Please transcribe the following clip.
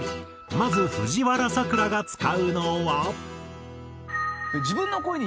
まず藤原さくらが使うのは。